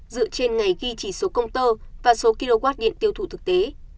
dựa trên ngày ghi chỉ số công tơ và số kw điện tiêu thụ thực tế